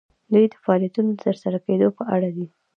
دوی د فعالیتونو د ترسره کیدو په اړه دي.